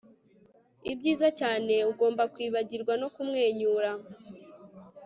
Ibyiza cyane ugomba kwibagirwa no kumwenyura